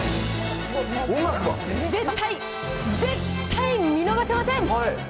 絶対、絶対見逃せません。